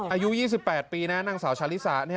อายุ๒๘ปีนะนางสาวชาลิสา